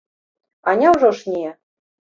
А няўжо ж не!